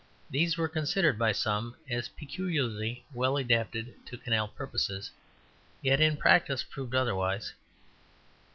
These were considered by some as peculiarly well adapted to canal purposes, yet in practice proved otherwise.